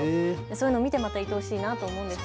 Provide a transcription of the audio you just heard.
そういうのを見てまたいとおしいなと思うんです。